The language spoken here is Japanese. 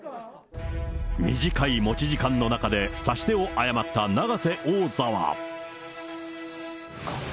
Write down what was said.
短い持ち時間の中で、指し手を誤った永瀬王座は。